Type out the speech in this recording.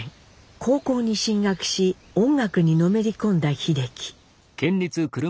高校に進学し音楽にのめり込んだ秀樹。